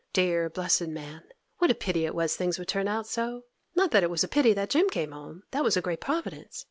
Dear, blessed man! What a pity it was things would turn out so! Not that it was a pity that Jim came home! That was a great providence!